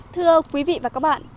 thưa quý vị và các bạn